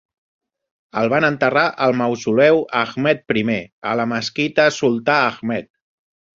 El van enterrar al mausoleu Ahmed I, a la mesquita Sultà Ahmed.